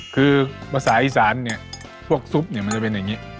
คือภาษาอีสานเนี่ยพวกซุปเนี่ยมันจะเป็นอย่างนี้